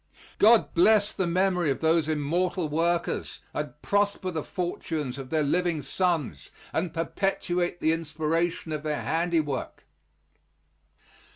God bless the memory of those immortal workers, and prosper the fortunes of their living sons and perpetuate the inspiration of their handiwork.